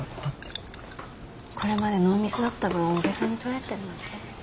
これまでノーミスだった分大げさに捉えてるのね。